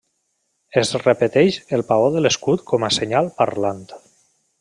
Es repeteix el paó de l'escut com a senyal parlant.